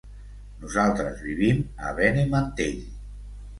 Nosaltres vivim a Benimantell.